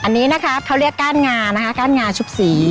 อันนี้นะคะเขาเรียกก้านงานะคะก้านงาชุบสี